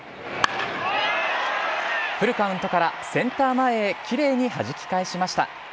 フルカウントからセンター前へきれいにはじき返しました。